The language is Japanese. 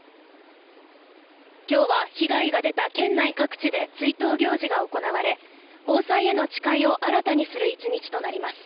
きょうは被害が出た県内各地で追悼行事が行われ、防災への誓いを新たにする１日となります。